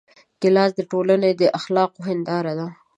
ګیلاس د ټولنې د اخلاقو هنداره ده.